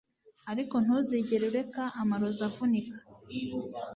Ariko ntuzigere ureka amarozi avunika